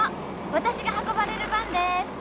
私が運ばれる番です！